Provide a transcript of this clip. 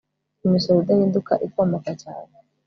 imisoro idahinduka ikomoka cyane